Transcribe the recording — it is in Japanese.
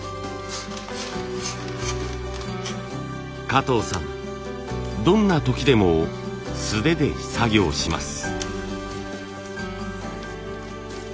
加藤さんどんな時でも素手で作業します。